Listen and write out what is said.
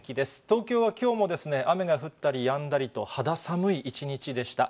東京はきょうも雨が降ったりやんだりと肌寒い一日でした。